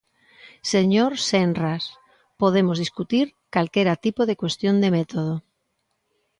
Señor Senras, podemos discutir calquera tipo de cuestión de método.